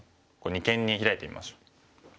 二間にヒラいてみましょう。